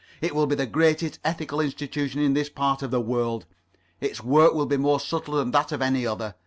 It will be the greatest ethical institution in this part of the world. Its work will be more subtle than that of any other.